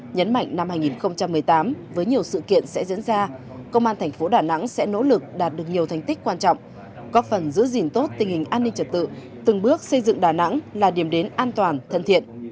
nhấn mạnh năm hai nghìn một mươi tám với nhiều sự kiện sẽ diễn ra công an thành phố đà nẵng sẽ nỗ lực đạt được nhiều thành tích quan trọng góp phần giữ gìn tốt tình hình an ninh trật tự từng bước xây dựng đà nẵng là điểm đến an toàn thân thiện